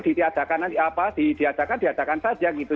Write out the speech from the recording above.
tidak akan nanti apa diadakan diadakan saja gitu